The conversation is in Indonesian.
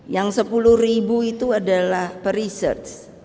yang enam belas ribu itu adalah per research